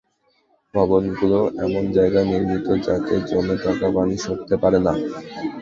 ভবনগুলো এমন জায়গায় নির্মিত যাতে জমে থাকা পানি সরতে পারে না।